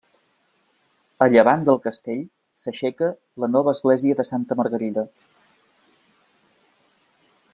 A llevant del castell s'aixeca la nova església de Santa Margarida.